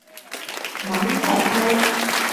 芒泰埃。